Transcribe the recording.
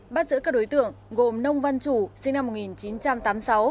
bắt giữ các đối tượng gồm nông văn chủ sinh năm một nghìn chín trăm tám mươi sáu